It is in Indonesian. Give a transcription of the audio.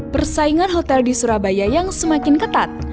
persaingan hotel di surabaya yang semakin ketat